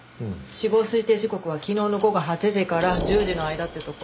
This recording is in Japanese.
死亡推定時刻は昨日の午後８時から１０時の間ってとこ。